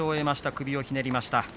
首をひねりました。